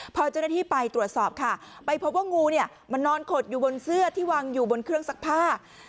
พอเจ้าหน้าที่ไปตรวจสอบค่ะไปพบว่างูเนี่ยมันนอนขดอยู่บนเสื้อที่วางอยู่บนเครื่องซักผ้า